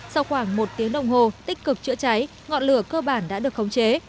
sau khoảng một tiếng đồng hồ tích cực chữa cháy ngọn lửa cơ bản đã được khống chế